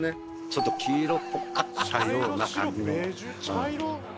ちょっと黄色っぽかったような感じの。